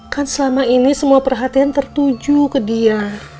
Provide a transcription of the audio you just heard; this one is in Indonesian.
kan selama ini semua perhatian tertuju ke dia